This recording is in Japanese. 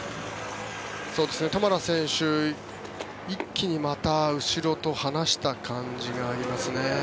トマラ選手、一気にまた後ろと離した感じがありますね。